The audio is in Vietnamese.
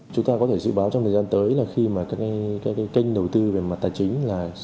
chúng ta có thể dự báo trong thời gian tới là khi mà các cái kênh đầu tư về mặt tài chính là